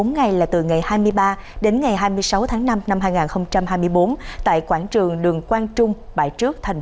bốn ngày là từ ngày hai mươi ba đến ngày hai mươi sáu tháng năm năm hai nghìn hai mươi bốn tại quảng trường đường quang trung bãi trước thành